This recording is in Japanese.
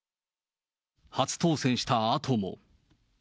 初当選したあとも。